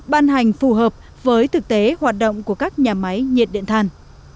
ban hành phù hợp với thực tế hoạt động của các nhà máy nhiệt điện than